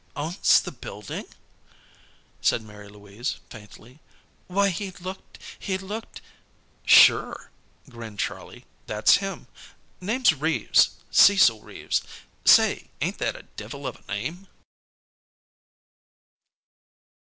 "Owns the building!" said Mary Louise, faintly. "Why he looked he looked " "Sure," grinned Charlie. "That's him. Name's Reeves Cecil Reeves. Say, ain't that a divil of a name?"